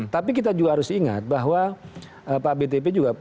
tapi kita juga harus ingat bahwa pak btp juga